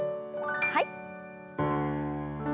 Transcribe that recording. はい。